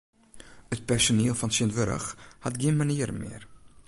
It personiel fan tsjintwurdich hat gjin manieren mear.